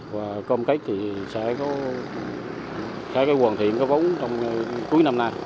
và công cách thì sẽ có sẽ có hoàn thiện có vốn trong cuối năm nay